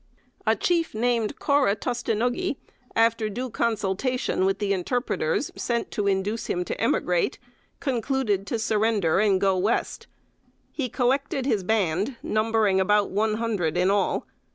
A chief named "Cora Tustenuggee," after due consultation with the interpreters sent to induce him to emigrate, concluded to surrender, and go West. He collected his band, numbering about one hundred in all.